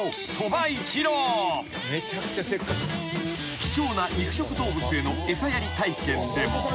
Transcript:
［貴重な肉食動物への餌やり体験でも］